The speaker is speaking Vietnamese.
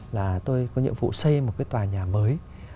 là tôi có nhiệm vụ xây một cái tòa nhà mới